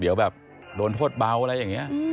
หรือแบบโดนโทษเบาอะไรอย่างนี้